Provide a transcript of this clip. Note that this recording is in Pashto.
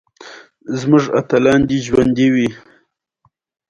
تېره ورځ د افغانستان او پاکستان سرحدي ځواکونو یو پر بل ټکونه وکړل.